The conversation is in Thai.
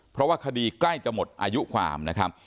เพราะว่าคดีใกล้จะหมดอายุความนะครับ